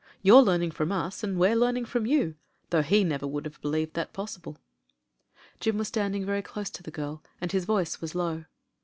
You're learning from us, and we're learning from you, though he would never have believed that possible." Jim was standing very dose to the girl, and his voice was low.